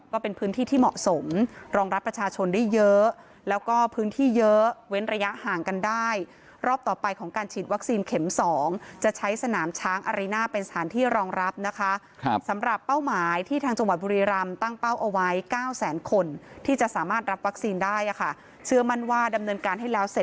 ก็เป็นพื้นที่ที่เหมาะสมรองรับประชาชนได้เยอะแล้วก็พื้นที่เยอะเว้นระยะห่างกันได้รอบต่อไปของการฉีดวัคซีนเข็ม๒จะใช้สนามช้างอารีน่าเป็นสถานที่รองรับนะคะสำหรับเป้าหมายที่ทางจังหวัดบุรีรำตั้งเป้าเอาไว้เก้าแสนคนที่จะสามารถรับวัคซีนได้อ่ะค่ะเชื่อมั่นว่าดำเนินการให้แล้วเสร็จ